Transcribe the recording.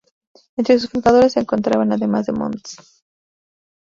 Entre sus fundadores se encontraban, además de Mons.